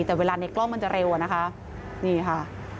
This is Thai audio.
แต่เวลาในกล้องมันจะเร็วอะนะคะนี่ค่ะ